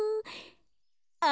あ。